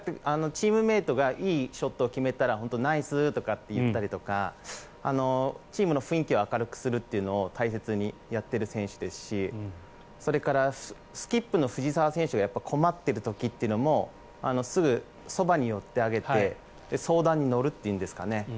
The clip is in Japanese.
チームメートがいいショットを決めたらナイスとかって言ったりとかチームの雰囲気を明るくするというのを大切にやっている選手ですしそれからスキップの藤澤選手が困ってる時というのもすぐそばに寄ってあげて相談に乗るというんですかね。